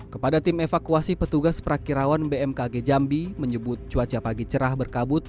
kepada tim evakuasi petugas prakirawan bmkg jambi menyebut cuaca pagi cerah berkabut